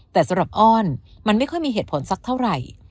แต่สำหรับอ้อนมันไม่ค่อยมีเหตุผลสักเท่าไหร่